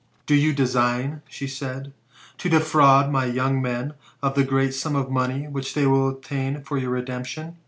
" Do you design," said she, '* to defraud my young men of the great sum of money which they will obtain for your redemption?